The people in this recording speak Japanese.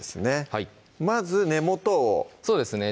はいまず根元をそうですね